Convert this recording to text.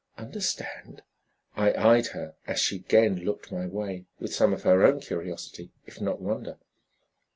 Understand! I eyed her as she again looked my way, with some of her own curiosity if not wonder.